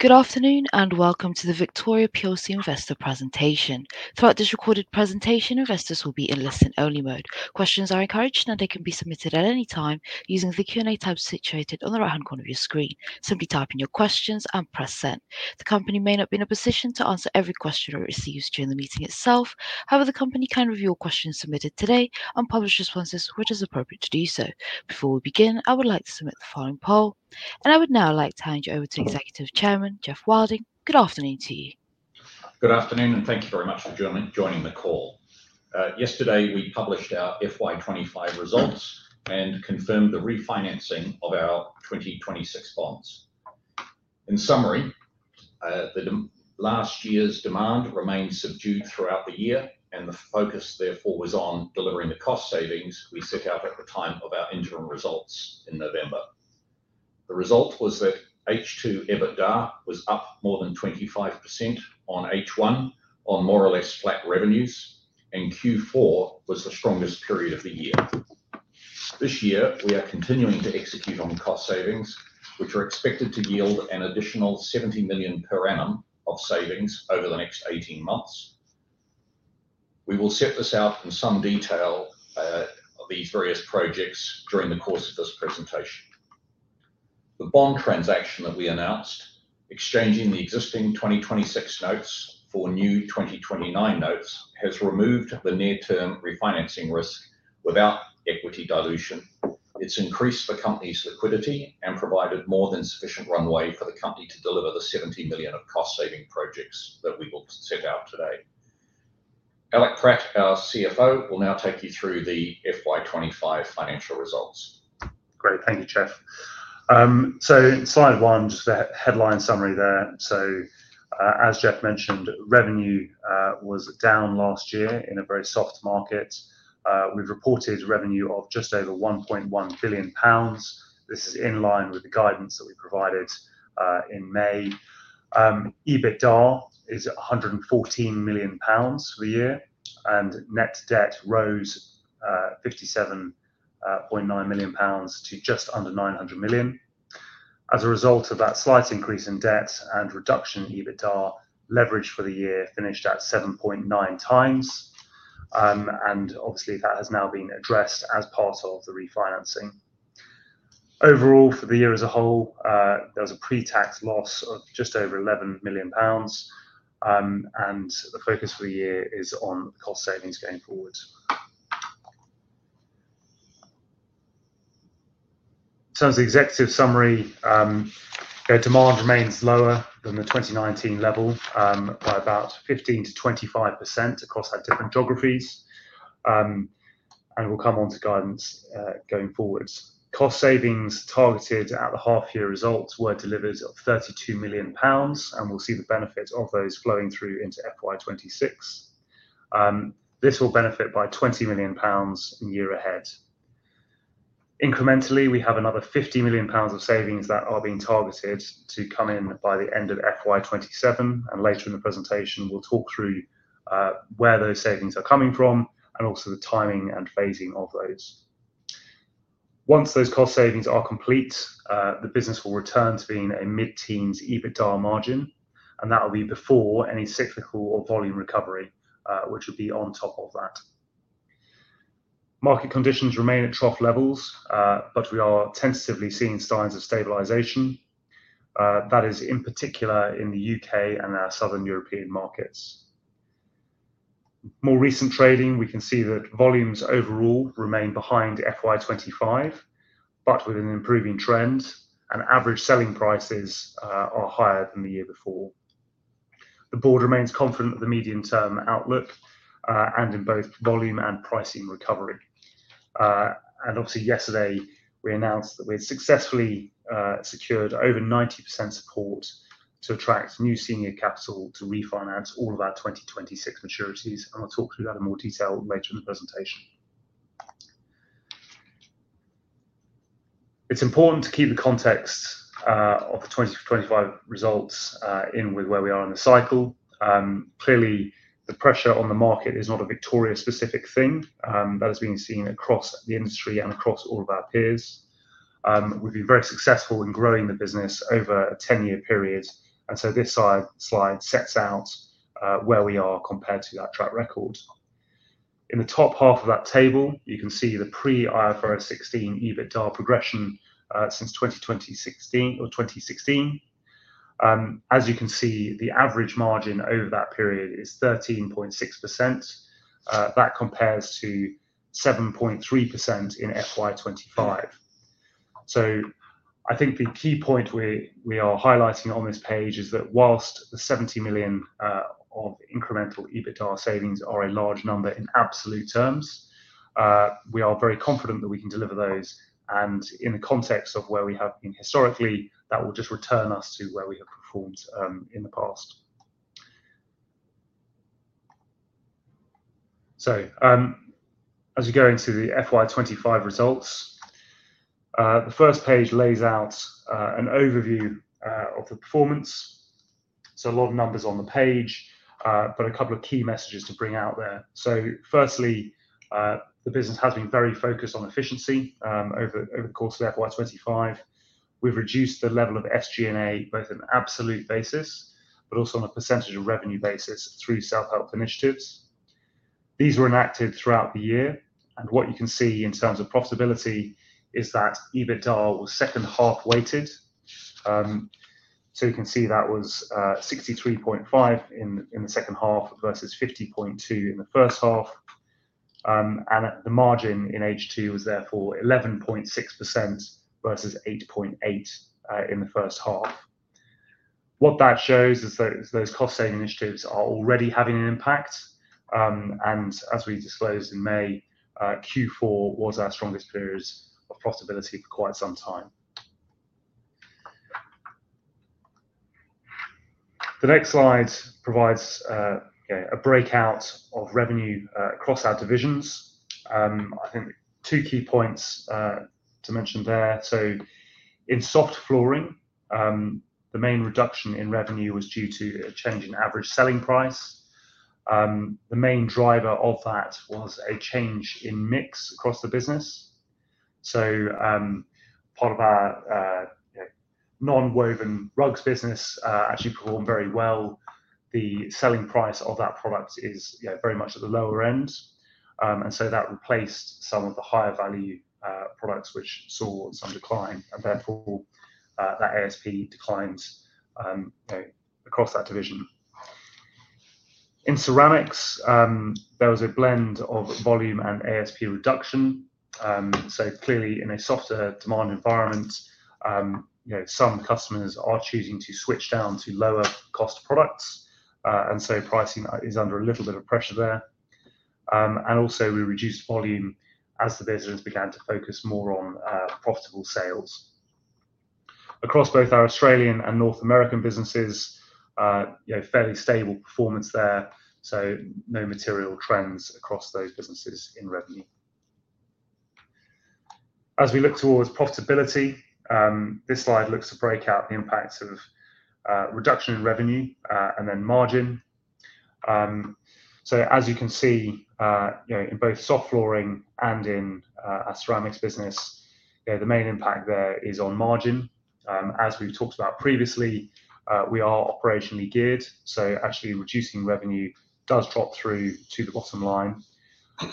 Good afternoon and welcome to the Victoria PLC Investor presentation. Throughout this recorded presentation, investors will be in listen-only mode. Questions are encouraged and they can be submitted at any time using the Q&A tab situated on the right-hand corner of your screen. Simply type in your questions and press send. The company may not be in a position to answer every question or issue during the meeting itself. However, the company can review all questions submitted today and publish responses when it is appropriate to do so. Before we begin, I would like to submit the following poll, and I would now like to hand you over to Executive Chairman, Geoff Wilding. Good afternoon to you. Good afternoon and thank you very much for joining the call. Yesterday, we published our FY 2025 results and confirmed the refinancing of our 2026 bonds. In summary, last year's demand remained subdued throughout the year, and the focus therefore was on delivering the cost savings we set out at the time of our interim results in November. The result was that H2 EBITDA was up more than 25% on H1 on more or less flat revenues, and Q4 was the strongest period of the year. This year, we are continuing to execute on cost savings, which are expected to yield an additional 70 million per annum of savings over the next 18 months. We will set this out in some detail on these various projects during the course of this presentation. The bond transaction that we announced, exchanging the existing 2026 notes for new 2029 notes, has removed the near-term refinancing risk without equity dilution. It's increased the company's liquidity and provided more than sufficient runway for the company to deliver the 70 million of cost-saving projects that we will set out today. Alec Pratt, our Chief Financial Officer, will now take you through the FY 2025 financial results. Great, thank you, Geoff. Slide one, the headline summary there. As Geoff mentioned, revenue was down last year in a very soft market. We've reported revenue of just over 1.1 billion pounds. This is in line with the guidance that we provided in May. EBITDA is 114 million pounds for the year, and net debt rose 57.9 million pounds to just under 900 million. As a result of that slight increase in debt and reduction in EBITDA, leverage for the year finished at 7.9x, and obviously, that has now been addressed as part of the refinancing. Overall, for the year as a whole, there was a pre-tax loss of just over 11 million pounds, and the focus for the year is on cost savings going forwards. As the executive summary, our demand remains lower than the 2019 level by about 15%-25% across our different geographies, and we'll come on to guidance going forward. Cost savings targeted at the half-year results were delivered at 32 million pounds, and we'll see the benefit of those flowing through into FY 2026. This will benefit by 20 million pounds in the year ahead. Incrementally, we have another 50 million pounds of savings that are being targeted to come in by the end of FY 2027, and later in the presentation, we'll talk through where those savings are coming from and also the timing and phasing of those. Once those cost savings are complete, the business will return to being a mid-teens EBITDA margin, and that will be before any cyclical or volume recovery, which will be on top of that. Market conditions remain at trough levels, but we are tentatively seeing signs of stabilisation. That is, in particular, in the U.K. and our southern European markets. More recent trading, we can see that volumes overall remain behind FY 2025, but with an improving trend, and average selling prices are higher than the year before. The board remains confident of the medium-term outlook and in both volume and pricing recovery. Obviously, yesterday, we announced that we had successfully secured over 90% support to attract new senior capital to refinance all of our 2026 maturities, and I'll talk through that in more detail later in the presentation. It's important to keep the context of the 2025 results in with where we are in the cycle. Clearly, the pressure on the market is not a Victoria specific thing; that has been seen across the industry and across all of our peers. We've been very successful in growing the business over a 10-year period, and this slide sets out where we are compared to our track record. In the top half of that table, you can see the pre-IFRS 16 EBITDA progression since 2016. As you can see, the average margin over that period is 13.6%. That compares to 7.3% in FY 2025. I think the key point we are highlighting on this page is that whilst the $70 million of incremental EBITDA savings are a large number in absolute terms, we are very confident that we can deliver those, and in the context of where we have been historically, that will just return us to where we have performed in the past. As we go into the FY 2025 results, the first page lays out an overview of the performance. A lot of numbers on the page, but a couple of key messages to bring out there. Firstly, the business has been very focused on efficiency over the course of FY 2025. We've reduced the level of SG&A both on an absolute basis but also on a percentage of revenue basis through self-help initiatives. These were enacted throughout the year, and what you can see in terms of profitability is that EBITDA was second-half weighted. You can see that was 63.5% in the second half versus 50.2% in the first half, and the margin in H2 was therefore 11.6% versus 8.8% in the first half. What that shows is that those cost-saving initiatives are already having an impact, and as we disclosed in May, Q4 was our strongest period of profitability for quite some time. The next slide provides a breakout of revenue across our divisions. I think two key points to mention there. In soft flooring, the main reduction in revenue was due to a change in average selling price. The main driver of that was a change in mix across the business. Part of our non-woven rugs business actually performed very well. The selling price of that product is very much at the lower end, and that replaced some of the higher-value products which saw some decline, and therefore, that ASP declined across that division. In ceramics, there was a blend of volume and ASP reduction. Clearly, in a softer demand environment, some customers are choosing to switch down to lower-cost products, and pricing is under a little bit of pressure there. We also reduced volume as the business began to focus more on profitable sales. Across both our Australian and North American businesses, fairly stable performance there, so no material trends across those businesses in revenue. As we look towards profitability, this slide looks to break out the impacts of reduction in revenue and then margin. As you can see, in both soft flooring and in our ceramics business, the main impact there is on margin. As we've talked about previously, we are operationally geared, so actually reducing revenue does drop through to the bottom line.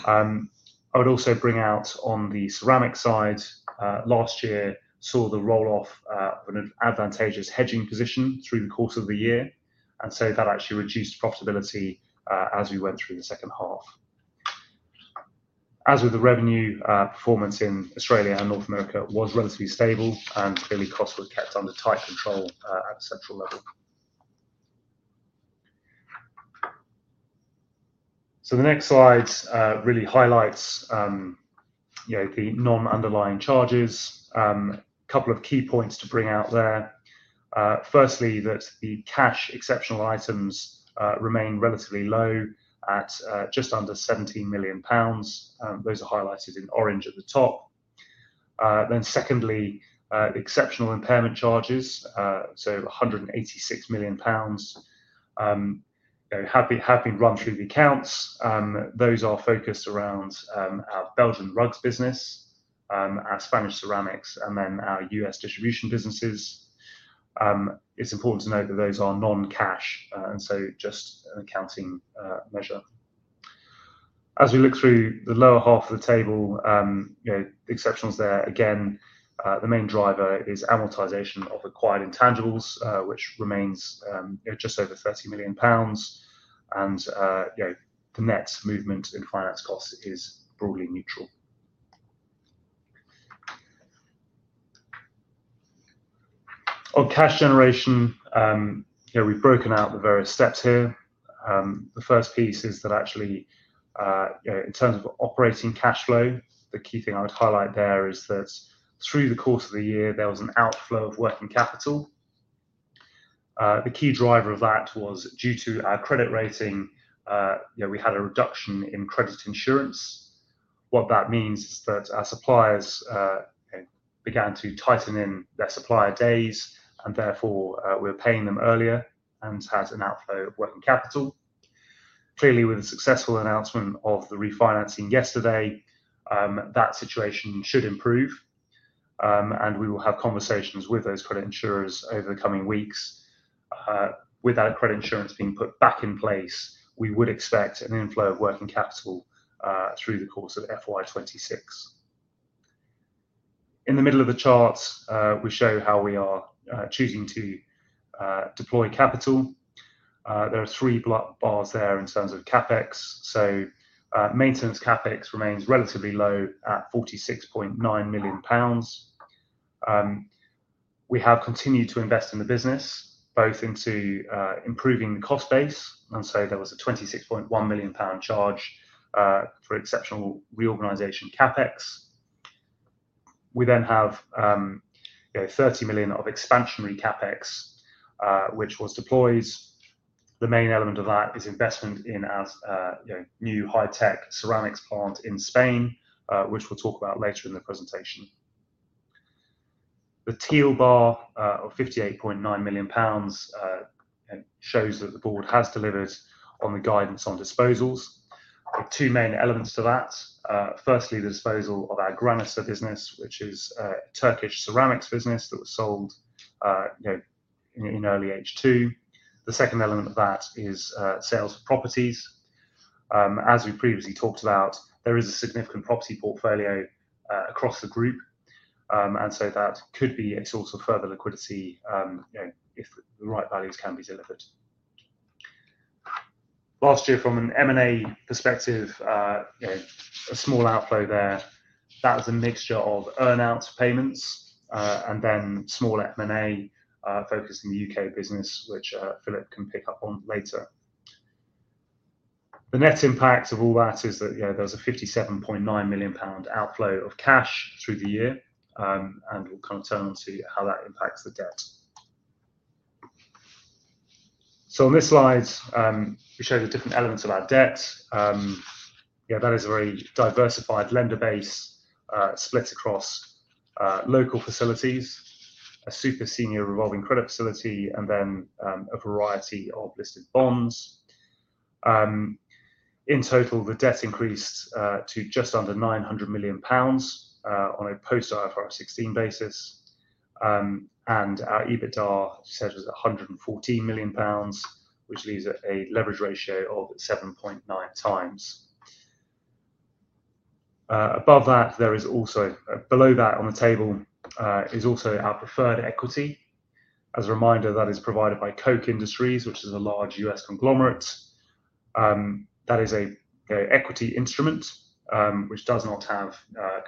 I would also bring out on the ceramics side, last year saw the roll-off of an advantageous hedging position through the course of the year, and that actually reduced profitability as we went through the second half. As with the revenue, performance in Australia and North America was relatively stable, and early costs were kept under tight control at the central level. The next slide really highlights the non-underlying charges. A couple of key points to bring out there. Firstly, the cash exceptional items remain relatively low at just under 17 million pounds. Those are highlighted in orange at the top. Secondly, the exceptional impairment charges, so 186 million pounds, have been run through the accounts. Those are focused around our Belgian rugs business, our Spanish ceramics, and our U.S. distribution businesses. It's important to note that those are non-cash, and just an accounting measure. As we look through the lower half of the table, exceptions there, again, the main driver is amortization of acquired intangibles, which remains just over 30 million pounds, and the net movement in finance costs is broadly neutral. On cash generation, we've broken out the various steps here. The first piece is that actually, in terms of operating cash flow, the key thing I would highlight there is that through the course of the year, there was an outflow of working capital. The key driver of that was due to our credit rating. We had a reduction in credit insurance. What that means is that our suppliers began to tighten in their supplier days, and therefore, we were paying them earlier and had an outflow of working capital. Clearly, with the successful announcement of the refinancing yesterday, that situation should improve, and we will have conversations with those credit insurers over the coming weeks. With that credit insurance being put back in place, we would expect an inflow of working capital through the course of FY 2026. In the middle of the chart, we show how we are choosing to deploy capital. There are three block bars there in terms of CapEx. Maintenance CapEx remains relatively low at 46.9 million pounds. We have continued to invest in the business, both into improving the cost base, and so there was a 26.1 million pound charge for exceptional reorganization CapEx. We then have 30 million of expansionary CapEx, which was deployed. The main element of that is investment in our new high-tech ceramics plant in Spain, which we'll talk about later in the presentation. The teal bar of 58.9 million pounds shows that the board has delivered on the guidance on disposals. Two main elements to that. Firstly, the disposal of our Graniser business, which is a Turkish ceramics business that was sold in early H2. The second element of that is sales of properties. As we previously talked about, there is a significant property portfolio across the group, and that could be a source of further liquidity if the right values can be delivered. Last year, from an M&A perspective, a small outflow there. That was a mixture of earnout payments and then small M&A focus in the U.K. business, which Philippe can pick up on later. The net impact of all that is that there was a 57.9 million pound outflow of cash through the year, and we'll turn on to how that impacts the debt. On this slide, we show the different elements of our debt. That is a very diversified lender base split across local facilities, a super senior revolving credit facility, and then a variety of listed bonds. In total, the debt increased to just under 900 million pounds on a post-IFRS 16 basis, and our EBITDA says it was 114 million pounds, which leaves a leverage ratio of 7.9x. Below that on the table is also our preferred equity. As a reminder, that is provided by Koch Industries, which is a large U.S. conglomerate. That is an equity instrument which does not have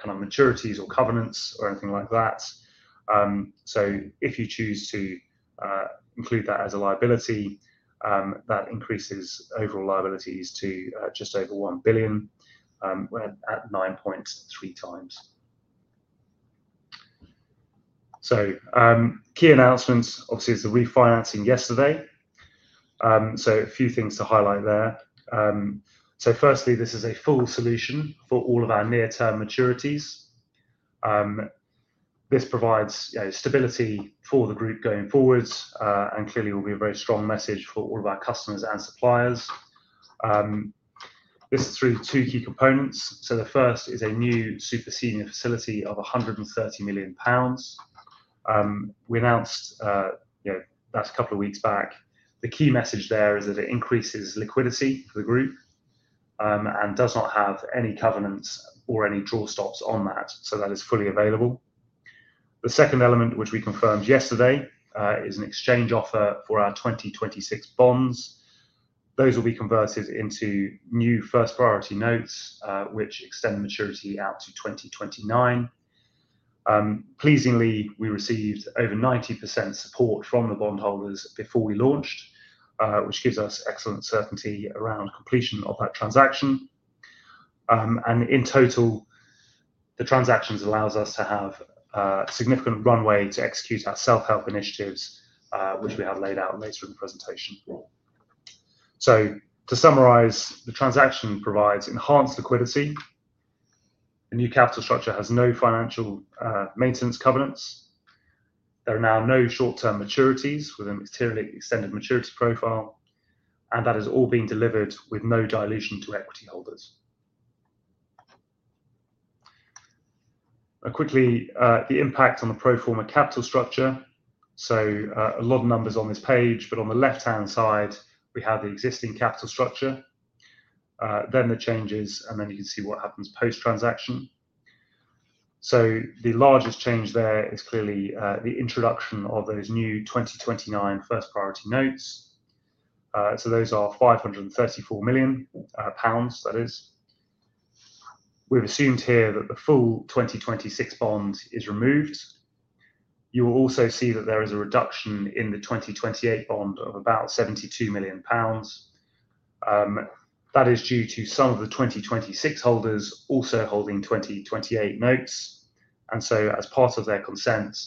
maturities or covenants or anything like that. If you choose to include that as a liability, that increases overall liabilities to just over 1 billion. We're at 9.3x. Key announcements, obviously, is the refinancing yesterday. A few things to highlight there. Firstly, this is a full solution for all of our near-term maturities. This provides stability for the group going forwards and clearly will be a very strong message for all of our customers and suppliers. This is through two key components. The first is a new super senior facility of EUR 130 million. We announced that a couple of weeks back. The key message there is that it increases liquidity for the group and does not have any covenants or any drawstops on that, so that is fully available. The second element, which we confirmed yesterday, is an exchange offer for our 2026 bonds. Those will be converted into new first-priority notes, which extend the maturity out to 2029. Pleasingly, we received over 90% support from the bondholders before we launched, which gives us excellent certainty around completion of that transaction. In total, the transactions allow us to have significant runway to execute our self-help initiatives, which we have laid out later in the presentation. To summarize, the transaction provides enhanced liquidity. A new capital structure has no financial maintenance covenants. There are now no short-term maturities with an extended maturity profile, and that has all been delivered with no dilution to equity holders. Quickly, the impact on the pro forma capital structure. A lot of numbers on this page, but on the left-hand side, we have the existing capital structure, then the changes, and then you can see what happens post-transaction. The largest change there is clearly the introduction of those new 2029 first-priority notes. Those are 534 million pounds, that is. We've assumed here that the full 2026 bond is removed. You will also see that there is a reduction in the 2028 bond of about 72 million pounds. That is due to some of the 2026 holders also holding 2028 notes, and as part of their consent,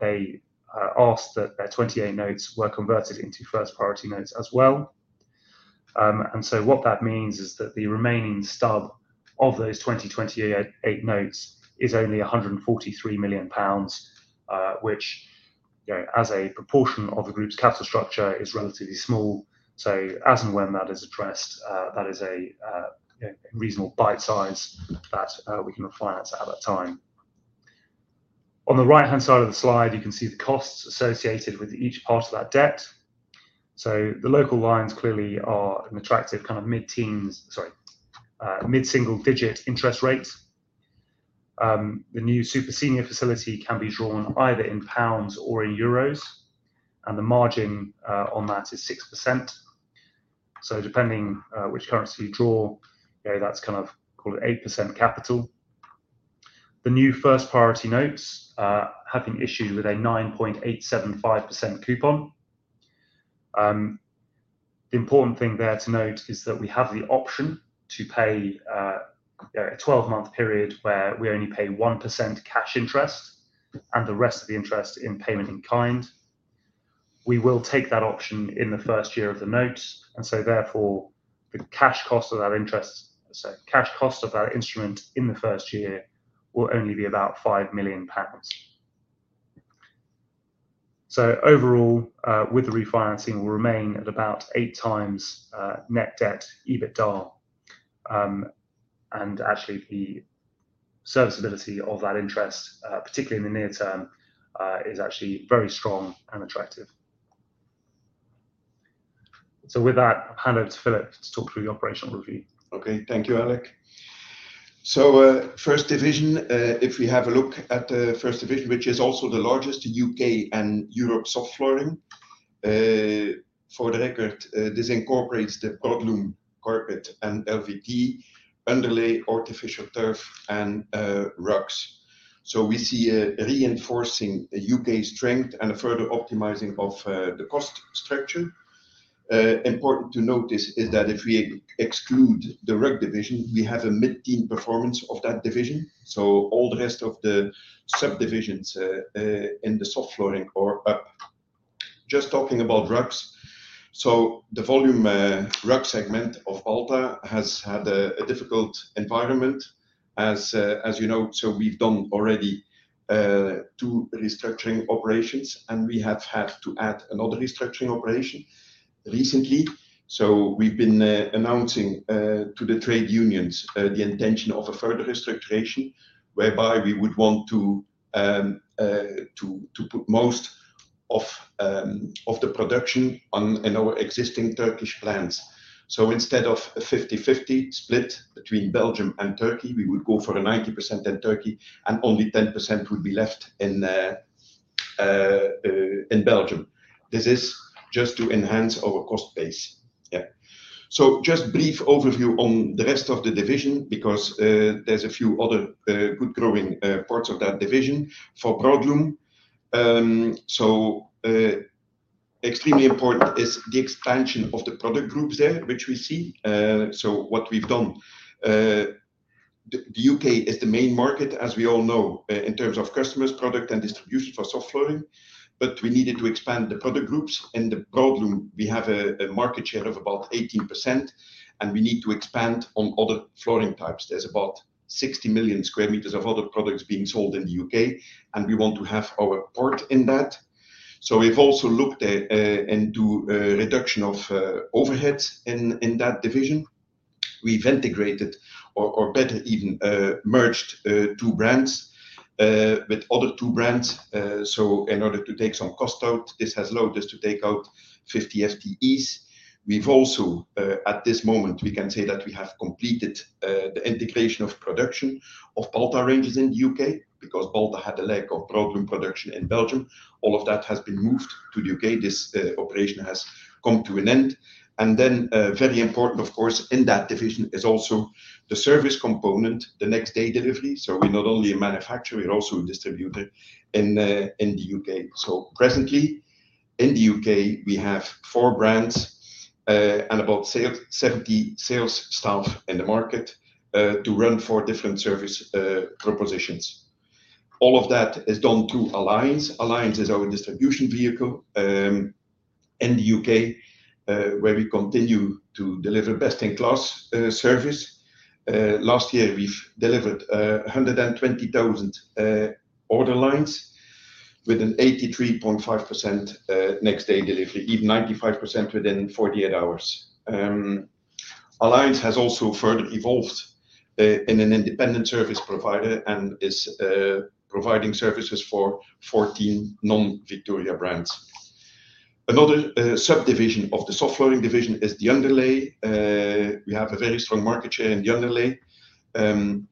they asked that their 2028 notes were converted into first-priority notes as well. What that means is that the remaining stub of those 2028 notes is only 143 million pounds, which, as a proportion of the group's capital structure, is relatively small. As and when that is addressed, that is a reasonable bite-size that we can finance at that time. On the right-hand side of the slide, you can see the costs associated with each part of that debt. The local lines clearly are an attractive kind of mid-single-digit interest rate. The new super senior facility can be drawn either in pounds or in euros, and the margin on that is 6%. Depending on which currency you draw, that's kind of called an 8% capital. The new first-priority notes have been issued with a 9.875% coupon. The important thing there to note is that we have the option to pay a 12-month period where we only pay 1% cash interest and the rest of the interest in payment in kind. We will take that option in the first year of the notes, and therefore, the cash cost of that interest, so cash cost of that instrument in the first year will only be about 5 million pounds. Overall, with the refinancing, we'll remain at about eight times net debt to EBITDA, and actually, the serviceability of that interest, particularly in the near term, is very strong and attractive. With that, I've handed it to Philippe to talk through the operational review. Okay, thank you, Alec. First division, if we have a look at the first division, which is also the largest, U.K. and Europe soft flooring. For the record, this incorporates the broadloom carpet and LVT, underlay, artificial turf, and rugs. We see a reinforcing U.K. strength and a further optimizing of the cost structure. Important to note is that if we exclude the rug division, we have a mid-teen performance of that division. All the rest of the subdivisions in the soft flooring are up. Just talking about rugs, the volume rug segment of Balta has had a difficult environment, as you know. We have already done two restructuring operations, and we have had to add another restructuring operation recently. We have been announcing to the trade unions the intention of a further restructuring whereby we would want to put most of the production in our existing Turkish plants. Instead of a 50/50 split between Belgium and Turkey, we would go for 90% in Turkey and only 10% would be left in Belgium. This is just to enhance our cost base. A brief overview on the rest of the division, because there are a few other good growing parts of that division for broadloom. Extremely important is the expansion of the product groups there, which we see. The U.K. is the main market, as we all know, in terms of customers, product, and distribution for soft flooring, but we needed to expand the product groups. In the broadloom, we have a market share of about 18%, and we need to expand on other flooring types. There are about 60 million square meters of other products being sold in the U.K., and we want to have our part in that. We have also looked into a reduction of overheads in that division. We have integrated, or better even, merged two brands with other two brands. In order to take some cost out, this has allowed us to take out 50 FTEs. At this moment, we can say that we have completed the integration of production of Balta ranges in the U.K. because Balta had a lack of broadloom production in Belgium. All of that has been moved to the U.K. This operation has come to an end. Very important, of course, in that division is also the service component, the next-day delivery. We are not only a manufacturer, we are also a distributor in the U.K. Presently, in the U.K., we have four brands and about 70 sales staff in the market to run four different service propositions. All of that is done through Alliance. Alliance is our distribution vehicle in the U.K. where we continue to deliver best-in-class service. Last year, we've delivered 120,000 order lines with an 83.5% next-day delivery, even 95% within 48 hours. Alliance has also further evolved into an independent service provider and is providing services for 14 non-Victoria brands. Another subdivision of the soft flooring division is the underlay. We have a very strong market share in the underlay, and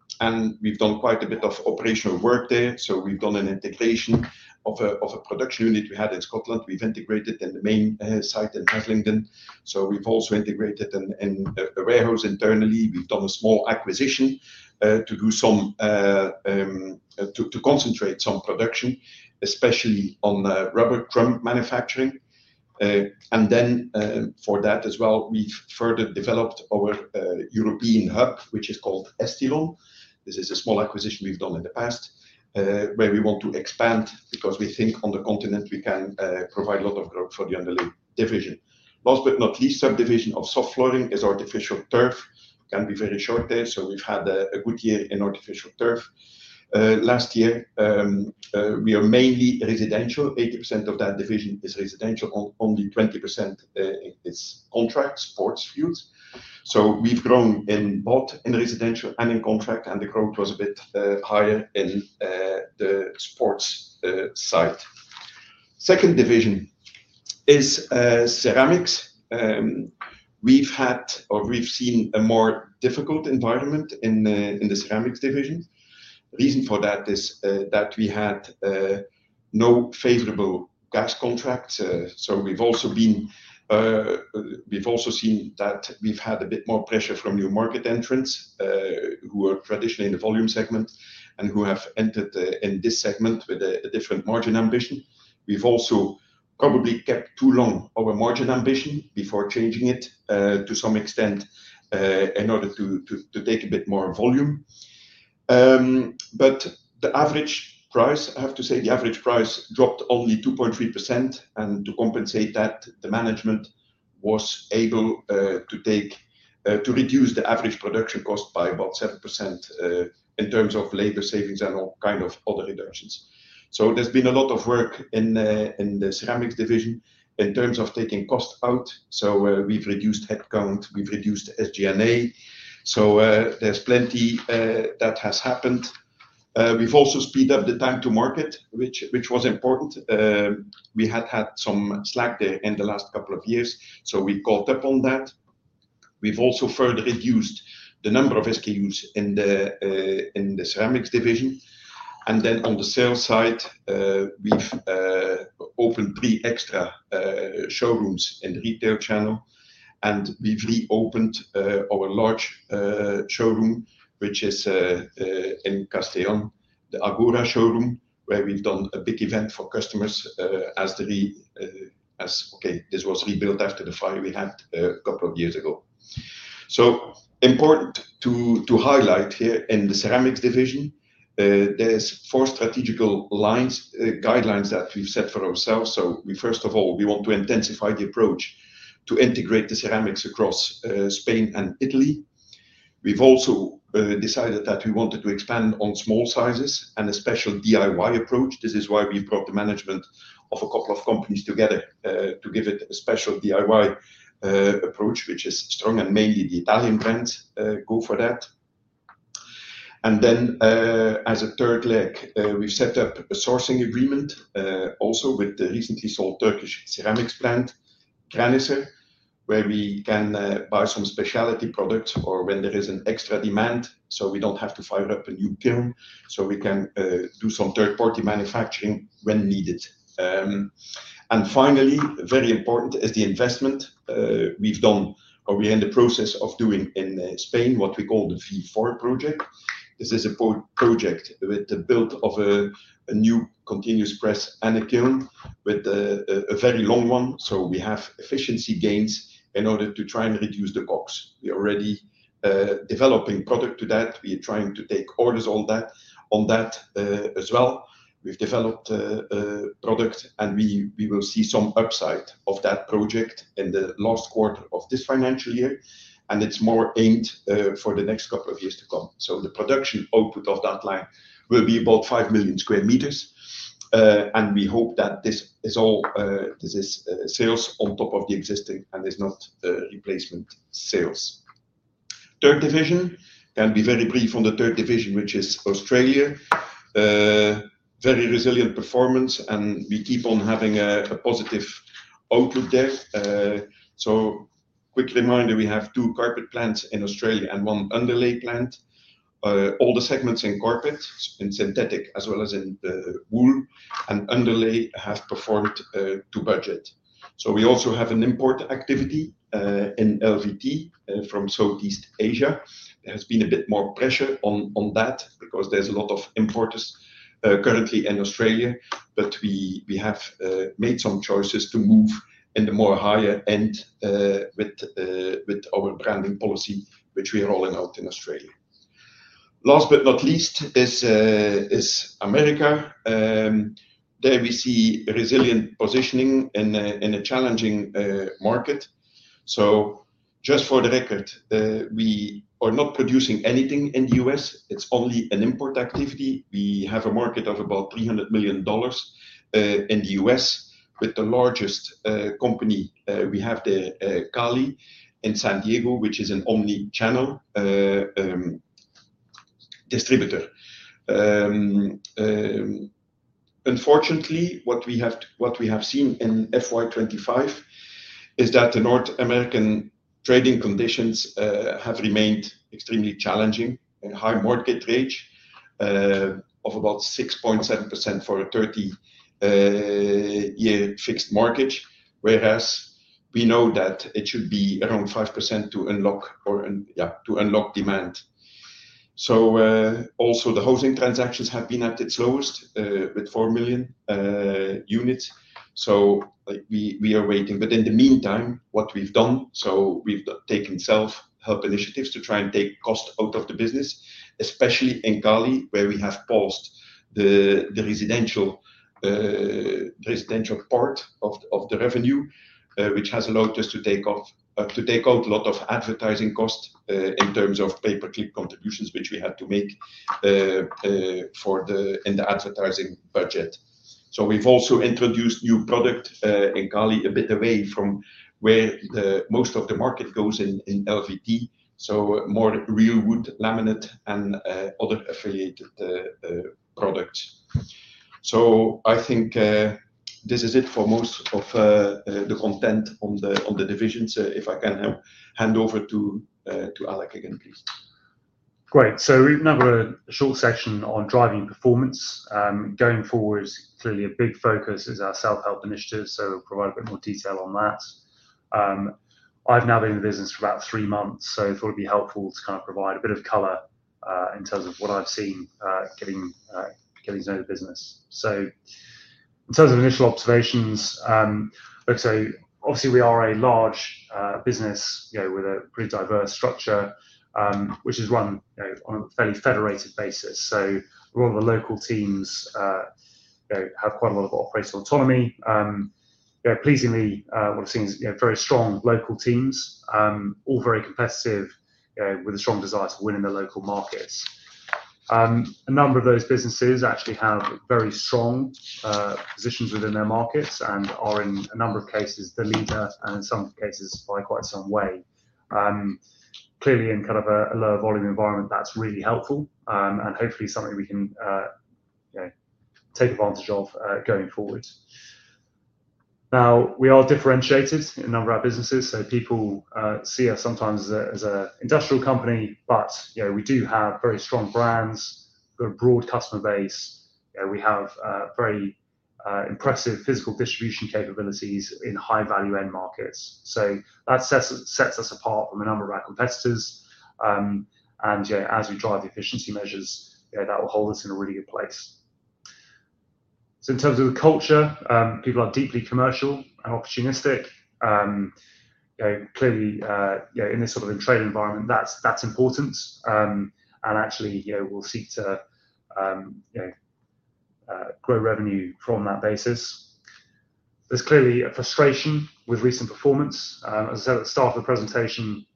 we've done quite a bit of operational work there. We've done an integration of a production unit we had in Scotland. We've integrated it in the main site in Haslingden. We've also integrated in a warehouse internally. We've done a small acquisition to concentrate some production, especially on rubber crumb manufacturing. For that as well, we've further developed our European hub, which is called Estilon. This is a small acquisition we've done in the past where we want to expand because we think on the continent we can provide a lot of growth for the underlay division. Last but not least, subdivision of soft flooring is artificial turf. It can be very short there. We've had a good year in artificial turf. Last year, we are mainly residential. 80% of that division is residential, only 20% is contract sports fields. We've grown in both in residential and in contract, and the growth was a bit higher in the sports side. The second division is ceramics. We've had, or we've seen, a more difficult environment in the ceramics division. The reason for that is that we had no favorable gas contracts. We've also seen that we've had a bit more pressure from new market entrants who are traditionally in the volume segment and who have entered in this segment with a different margin ambition. We've also probably kept too long our margin ambition before changing it to some extent in order to take a bit more volume. The average price, I have to say, the average price dropped only 2.3%. To compensate for that, the management was able to reduce the average production cost by about 7% in terms of labor savings and all kinds of other reductions. There's been a lot of work in the ceramics division in terms of taking costs out. We've reduced headcount. We've reduced SG&A. There's plenty that has happened. We've also speeded up the time to market, which was important. We had had some slack there in the last couple of years, so we caught up on that. We've also further reduced the number of SKUs in the ceramics division. On the sales side, we've opened three extra showrooms in the retail channel, and we've reopened our large showroom, which is in Castellón, the Agora showroom, where we've done a big event for customers as the rebuild after the fire we had a couple of years ago. It is important to highlight here in the ceramics division, there's four strategical guidelines that we've set for ourselves. First of all, we want to intensify the approach to integrate the ceramics across Spain and Italy. We've also decided that we wanted to expand on small sizes and a special DIY approach. This is why we've brought the management of a couple of companies together to give it a special DIY approach, which is strong, and mainly the Italian brands go for that. As a third leg, we've set up a sourcing agreement also with the recently sold Turkish ceramics brand, Graniser, where we can buy some specialty products for when there is an extra demand so we don't have to fire up a new kiln. We can do some third-party manufacturing when needed. Finally, very important is the investment we've done, or we're in the process of doing in Spain, what we call the V4 project. This is a project with the build of a new continuous press and a kiln with a very long one. We have efficiency gains in order to try and reduce the costs. We are already developing product to that. We are trying to take orders on that as well. We've developed products, and we will see some upside of that project in the last quarter of this financial year. It's more aimed for the next couple of years to come. The production output of that line will be about 5 million square meters. We hope that this is all sales on top of the existing and is not replacement sales. Third division, and be very brief on the third division, which is Australia. Very resilient performance, and we keep on having a positive outlook there. Quick reminder, we have two carpet plants in Australia and one underlay plant. All the segments in carpet, in synthetic as well as in the wool and underlay, have performed to budget. We also have an import activity in LVT from Southeast Asia. There has been a bit more pressure on that because there's a lot of importers currently in Australia. We have made some choices to move in the more higher end with our brand and policy, which we are rolling out in Australia. Last but not least is America. There we see resilient positioning in a challenging market. Just for the record, we are not producing anything in the U.S. It's only an import activity. We have a market of about $300 million in the U.S. with the largest company we have there, Cali, in San Diego, which is an omnichannel distributor. Unfortunately, what we have seen in FY 2025 is that the North American trading conditions have remained extremely challenging with a high market rate of about 6.7% for a 30-year fixed market, whereas we know that it should be around 5% to unlock demand. Housing transactions have been at its lowest with 4 million units. We are waiting. In the meantime, we've taken self-help initiatives to try and take cost out of the business, especially in Cali where we have paused the residential part of the revenue, which has allowed us to take out a lot of advertising costs in terms of pay-per-click contributions which we had to make in the advertising budget. We've also introduced new product in Cali a bit away from where most of the market goes in LVT, so more real wood, laminate, and other affiliated products. I think this is it for most of the content on the divisions. If I can hand over to Alec again, please. Great. We've now got a short section on driving performance. Going forward, clearly a big focus is our self-help initiatives, so we'll provide a bit more detail on that. I've now been in the business for about three months, so I thought it'd be helpful to kind of provide a bit of color in terms of what I've seen getting to know the business. In terms of initial observations, obviously we are a large business with a pretty diverse structure, which is run on a fairly federated basis. A lot of the local teams have quite a lot of operational autonomy. Pleasingly, one of the things is very strong local teams, all very competitive with a strong desire to win in the local markets. A number of those businesses actually have very strong positions within their markets and are in a number of cases the leader and in some cases by quite some way. Clearly, in kind of a lower volume environment, that's really helpful and hopefully something we can take advantage of going forward. We are differentiated in a number of our businesses, so people see us sometimes as an industrial company, but we do have very strong brands, we have a broad customer base, we have very impressive physical distribution capabilities in high-value end markets. That sets us apart from a number of our competitors. As we drive efficiency measures, that will hold us in a really good place. In terms of the culture, people are deeply commercial and opportunistic. Clearly, in this sort of trade environment, that's important. Actually, we'll seek to grow revenue from that basis. There's clearly a frustration with recent performance. As I said at the start of the presentation,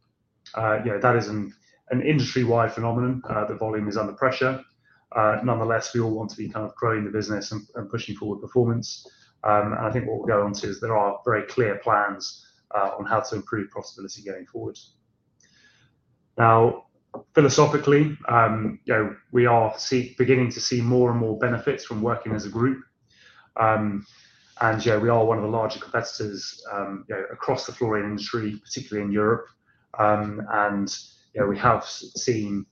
that is an industry-wide phenomenon that volume is under pressure. Nonetheless, we all want to be kind of growing the business and pushing forward performance. I think what we'll get on to is there are very clear plans on how to improve profitability going forward. Philosophically, we are beginning to see more and more benefits from working as a group. We are one of the larger competitors across the flooring industry, particularly in Europe. We have seen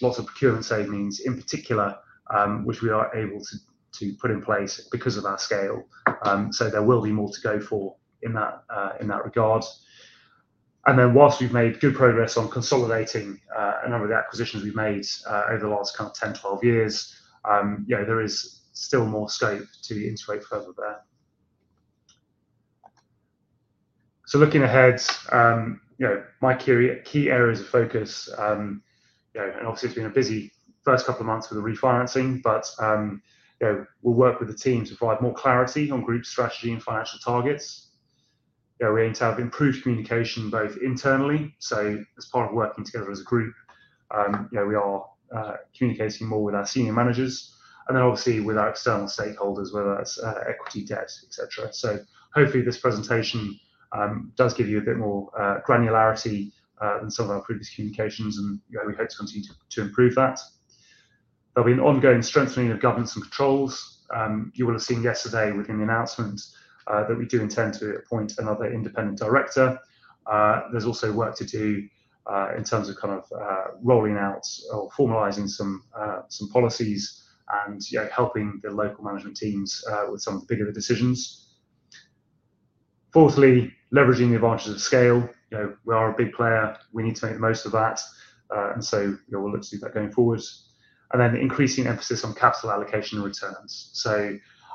lots of procurement savings, in particular, which we are able to put in place because of our scale. There will be more to go for in that regard. Whilst we've made good progress on consolidating a number of the acquisitions we've made over the last 10, 12 years, there is still more scope to integrate further there. Looking ahead, my key areas of focus, and obviously it's been a busy first couple of months with the refinancing, but we'll work with the team to provide more clarity on group strategy and financial targets. We aim to have improved communication both internally. As part of working together as a group, we are communicating more with our senior managers and then obviously with our external stakeholders, whether that's equity, debt, etc. Hopefully this presentation does give you a bit more granularity than some of our previous communications, and we hope to continue to improve that. There will be an ongoing strengthening of governance and controls. You will have seen yesterday within the announcement that we do intend to appoint another independent director. There's also work to do in terms of rolling out or formalizing some policies and helping the local management teams with some of the bigger decisions. Fourthly, leveraging the advantage of scale. We are a big player. We need to make the most of that, and we'll look to do that going forward. Increasing emphasis on capital allocation and returns.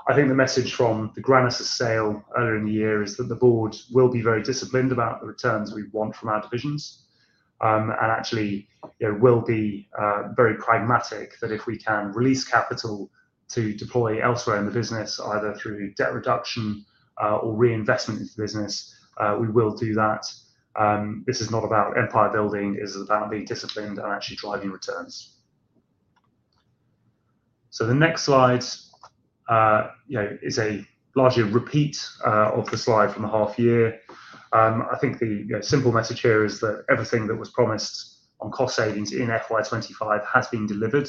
I think the message from the Graniser sale earlier in the year is that the board will be very disciplined about the returns we want from our divisions and actually will be very pragmatic that if we can release capital to deploy elsewhere in the business, either through debt reduction or reinvestment into the business, we will do that. This is not about empire building. It is about being disciplined and actually driving returns. The next slide is a larger repeat of the slide from a half year. I think the simple message here is that everything that was promised on cost savings in FY 2025 has been delivered.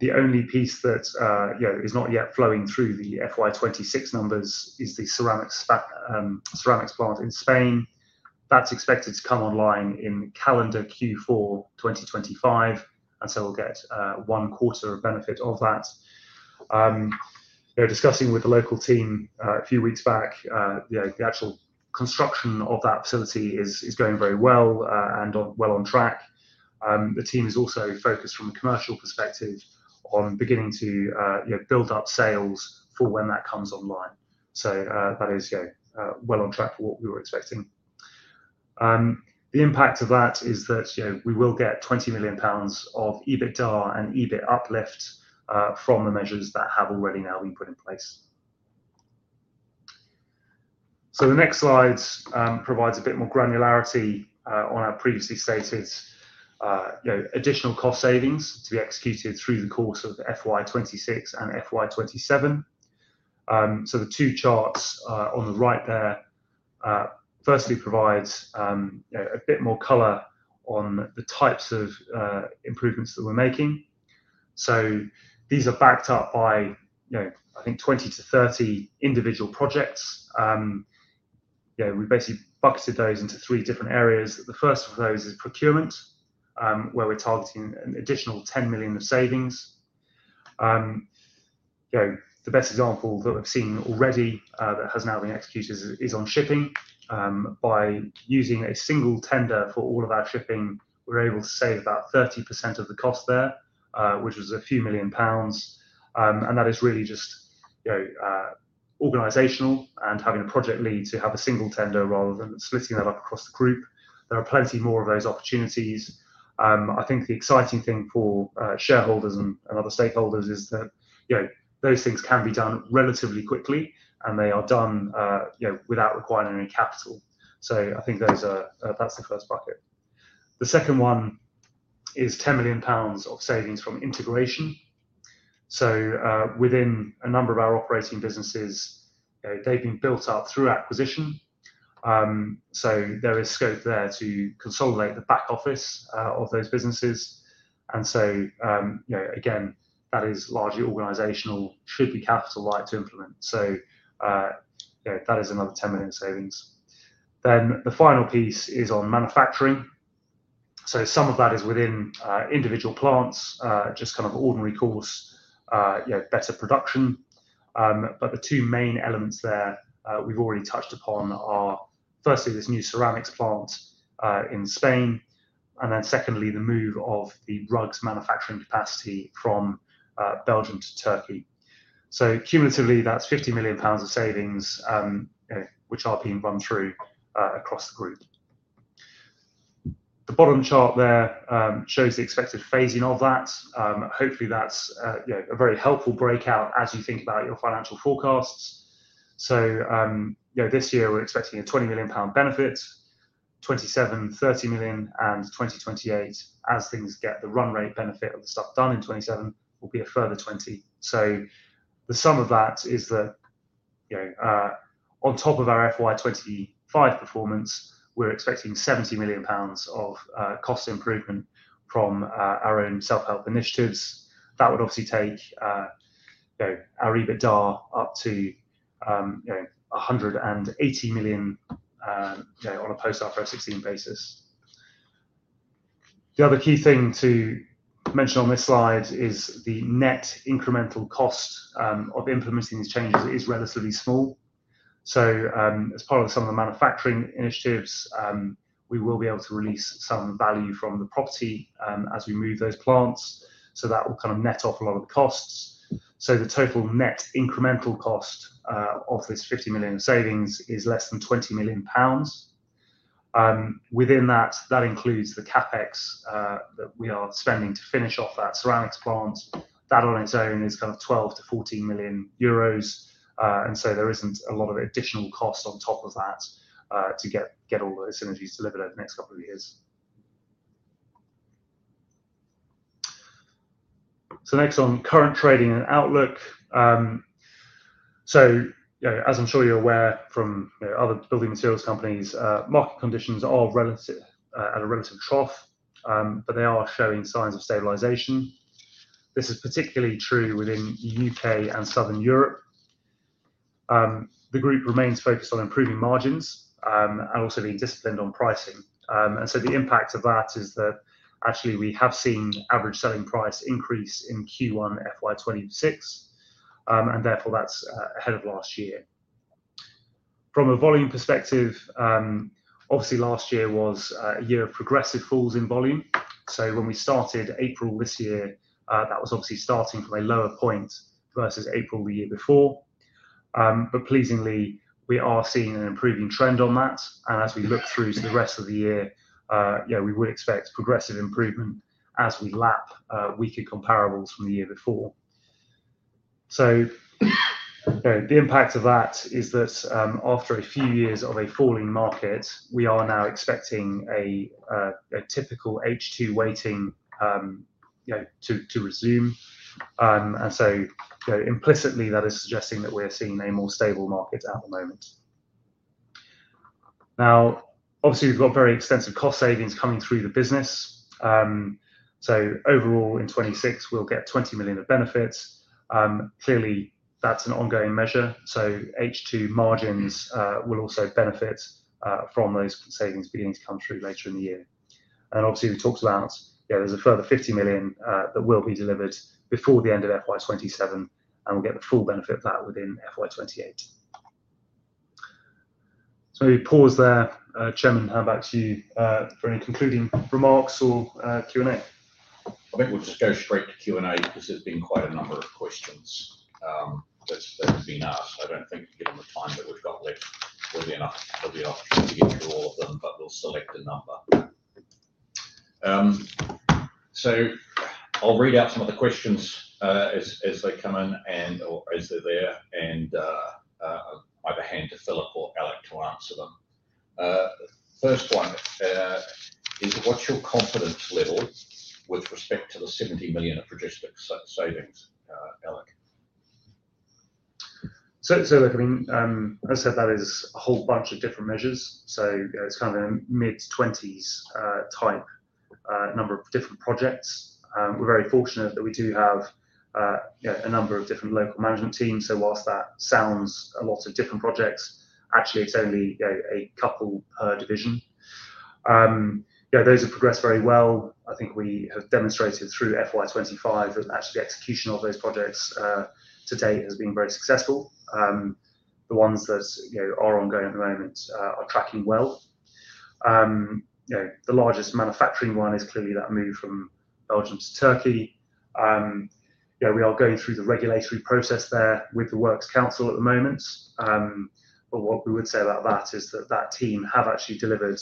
The only piece that is not yet flowing through the FY 2026 numbers is the ceramics plant in Spain. That's expected to come online in calendar Q4 2025, and we'll get one quarter of benefit of that. Discussing with the local team a few weeks back, the actual construction of that facility is going very well and well on track. The team is also focused from a commercial perspective on beginning to build up sales for when that comes online. That is well on track for what we were expecting. The impact of that is that we will get 20 million pounds of EBITDA and EBIT uplift from the measures that have already now been put in place. The next slide provides a bit more granularity on our previously stated additional cost savings to be executed through the course of FY 2026 and FY 2027. The two charts on the right there firstly provide a bit more color on the types of improvements that we're making. These are backed up by, I think, 20-30 individual projects. We've basically bucketed those into three different areas. The first of those is procurement, where we're targeting an additional 10 million of savings. The best example that we've seen already that has now been executed is on shipping. By using a single tender for all of our shipping, we're able to save about 30% of the cost there, which was a few million pounds. That is really just organizational and having a project lead to have a single tender rather than splitting that up across the group. There are plenty more of those opportunities. I think the exciting thing for shareholders and other stakeholders is that those things can be done relatively quickly and they are done without requiring any capital. I think that's the first bucket. The second one is 10 million pounds of savings from integration. Within a number of our operating businesses, they've been built up through acquisition. There is scope there to consolidate the back office of those businesses. Again, that is largely organizational, should be capital-light to implement. That is another 10 million savings. The final piece is on manufacturing. Some of that is within individual plants, just kind of ordinary course, better production. The two main elements there we've already touched upon are firstly this new ceramics plant in Spain and then secondly the move of the rugs manufacturing capacity from Belgium to Turkey. Cumulatively, that's 50 million pounds of savings, which are being run through across the group. The bottom chart there shows the expected phasing of that. Hopefully, that's a very helpful breakout as you think about your financial forecasts. This year, we're expecting a 20 million pound benefit, 27 million, 30 million, and 2028, as things get the run rate benefit of the stuff done in 2027, will be a further 20 million. The sum of that is that on top of our FY 2025 performance, we're expecting 70 million pounds of cost improvement from our own self-help initiatives. That would obviously take our EBITDA up to 180 million on a post-FY 2016 basis. The other key thing to mention on this slide is the net incremental cost of implementing these changes is relatively small. As part of some of the manufacturing initiatives, we will be able to release some value from the property as we move those plants. That will kind of net off a lot of the costs. The total net incremental cost of this 50 million savings is less than 20 million pounds. Within that, that includes the CapEx that we are spending to finish off that ceramics plant. That on its own is kind of 12 million-14 million euros. There isn't a lot of additional cost on top of that to get all those synergies delivered over the next couple of years. Next, on current trading and outlook. As I'm sure you're aware from other building materials companies, market conditions are at a relative trough, but they are showing signs of stabilization. This is particularly true within the U.K. and southern Europe. The group remains focused on improving margins and also being disciplined on pricing. The impact of that is that actually we have seen average selling price increase in Q1 FY 2026, and therefore that's ahead of last year. From a volume perspective, obviously last year was a year of progressive falls in volume. When we started April this year, that was obviously starting from a lower point versus April the year before. Pleasingly, we are seeing an improving trend on that. As we look through to the rest of the year, we would expect progressive improvement as we lap weaker comparables from the year before. The impact of that is that after a few years of a falling market, we are now expecting a typical H2 weighting to resume. Implicitly, that is suggesting that we're seeing a more stable market at the moment. Obviously, we've got very extensive cost savings coming through the business. Overall, in 2026, we'll get 20 million of benefits. Clearly, that's an ongoing measure. H2 margins will also benefit from those savings beginning to come through later in the year. We talked about there's a further 50 million that will be delivered before the end of FY 2027, and we'll get the full benefit of that within FY 2028. Maybe pause there. Chairman, how about you for any concluding remarks or Q&A? Maybe we'll just go straight to Q&A because there's been quite a number of questions that have been asked. I don't think given the time that we've got left, it'll be enough to give you all of them, but we'll select a number. I'll read out some of the questions as they come in or as they're there, and I'll either hand to Philippe or Alec to answer them. First one is, what's your confidence level with respect to the 70 million of projected savings, Alec? As I said, that is a whole bunch of different measures. It's kind of in a mid-20s type number of different projects. We're very fortunate that we do have a number of different local management teams. Whilst that sounds a lot of different projects, actually, it's only a couple per division. Those have progressed very well. I think we have demonstrated through FY 2025 that actually the execution of those projects to date has been very successful. The ones that are ongoing at the moment are tracking well. The largest manufacturing one is clearly that move from Belgium to Turkey. We are going through the regulatory process there with the Works Council at the moment. What we would say about that is that team have actually delivered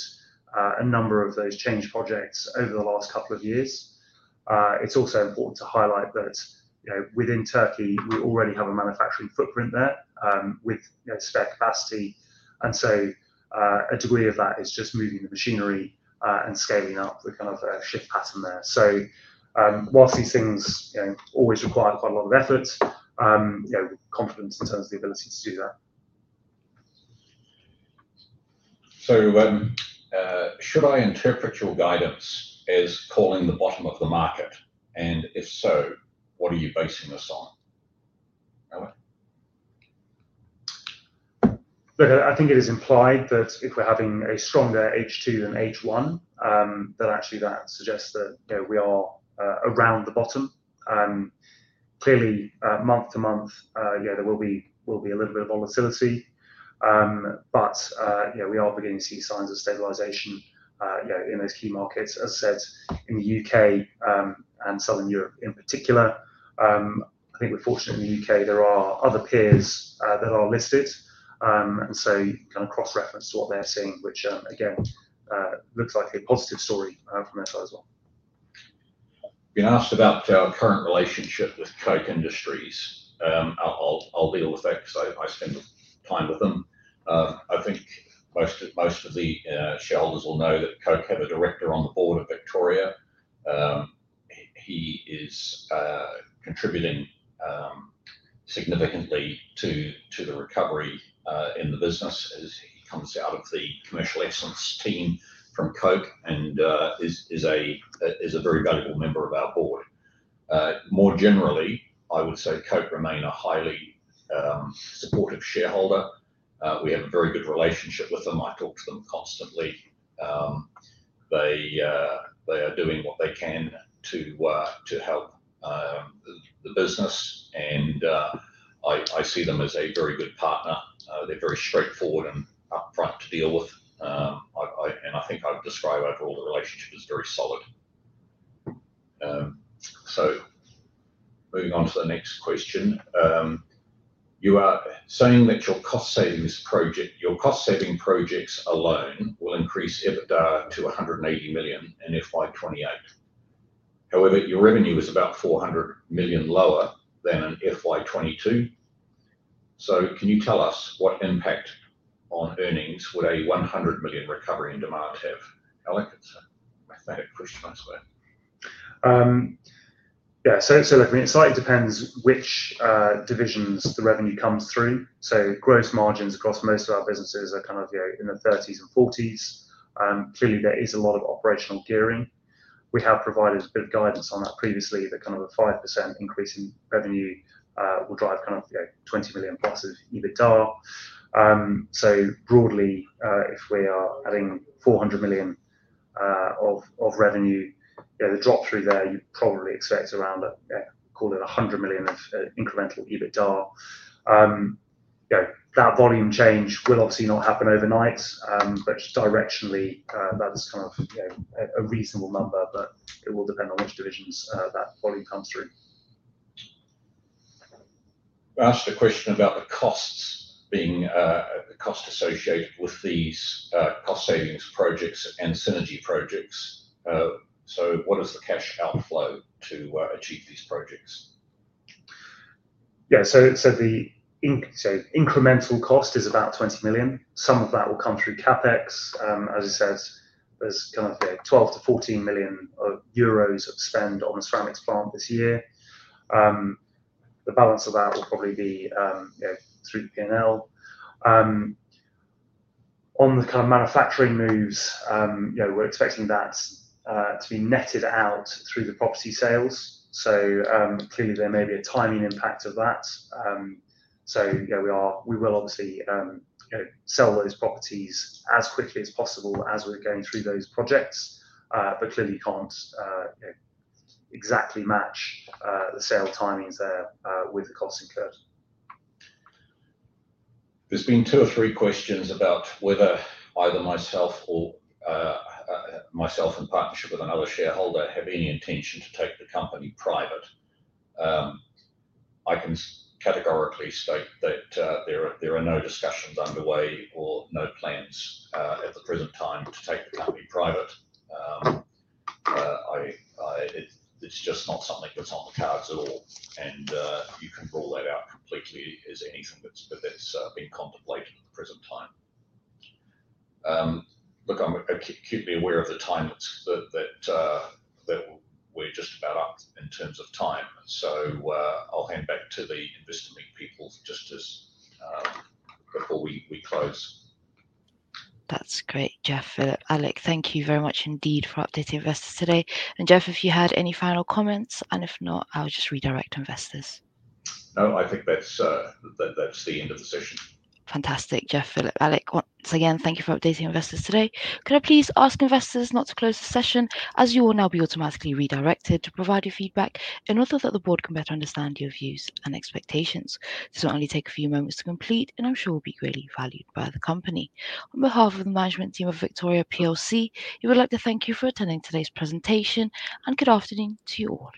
a number of those change projects over the last couple of years. It's also important to highlight that within Turkey, we already have a manufacturing footprint there with spare capacity, and so a degree of that is just moving the machinery and scaling up the kind of shift pattern there. Whilst these things always require quite a lot of effort, confidence in terms of the ability to do that. Should I interpret your guidance as calling the bottom of the market, and if so, what are you basing this on? Look, I think it is implied that if we're having a stronger H2 and H1, that actually suggests that we are around the bottom. Clearly, month to month, there will be a little bit of volatility, but we are beginning to see signs of stabilization in those key markets. As I said, in the U.K. and southern Europe in particular, I think we're fortunate in the U.K. there are other peers that are listed, and so kind of cross-reference to what they're seeing, which again looks like a positive story from [FLO] as well. You've been asked about our current relationship with Koch Industries. I'll deal with that because I spend time with them. I think most of the shareholders will know that Koch had a director on the board of Victoria. He is contributing significantly to the recovery in the business as he comes out of the commercial excellence team from Koch and is a very valuable member of our board. More generally, I would say Koch remain a highly supportive shareholder. We have a very good relationship with them. I talk to them constantly. They are doing what they can to help the business, and I see them as a very good partner. They're very straightforward and upfront to deal with. I think I'd describe overall the relationship as very solid. Moving on to the next question. You are saying that your cost savings projects alone will increase EBITDA to 180 million in FY 2028. However, your revenue is about 400 million lower than in FY 2022. Can you tell us what impact on earnings would a 100 million recovery in demand have? Alec, I think that's a question as well. Yeah. It slightly depends which divisions the revenue comes through. Gross margins across most of our businesses are kind of in the 30s and 40s. Clearly, there is a lot of operational gearing. We have provided a bit of guidance on that previously that kind of a 5% increase in revenue would drive kind of $20 million plus of EBITDA. Broadly, if we are adding $400 million of revenue, the drop through there, you'd probably expect around a call of $100 million of incremental EBITDA. That volume change will obviously not happen overnight, but directionally, that's kind of a reasonable number, but it will depend on which divisions that volume comes through. I asked the question about the costs being the cost associated with these cost savings projects and synergy projects. What is the cash outflow to achieve these projects? Yeah. The incremental cost is about $20 million. Some of that will come through CapEx. As I said, there's kind of 12 millionto-EUR 14 million of spend on the ceramics plant this year. The balance of that will probably be through the P&L. On the kind of manufacturing moves, we're expecting that to be netted out through the property sales. There may be a timing impact of that. We will obviously sell those properties as quickly as possible as we're going through those projects, but you can't exactly match the sale timings there with the costs incurred. have been two or three questions about whether either myself or myself in partnership with another shareholder have any intention to take the company private. I can categorically state that there are no discussions underway or no plans at the present time to take the company private. It's just not something that is on the cards at all. You can rule that out completely as anything that's been contemplated at the present time. I'm acutely aware of the time and we're just about up in terms of time, so I'll hand back to the investment people before we close. That's great, Geoff. Alec, thank you very much indeed for updating us today. Geoff, if you had any final comments, if not, I'll just redirect investors. No, I think that's the end of the session. Fantastic, Geoff, Philippe, Alec. Once again, thank you for updating investors today. Could I please ask investors not to close the session as you will now be automatically redirected to provide your feedback in order that the board can better understand your views and expectations. Certainly, take a few moments to complete, and I'm sure it will be really valued by the company. On behalf of the management team of Victoria PLC, we would like to thank you for attending today's presentation, and good afternoon to you all.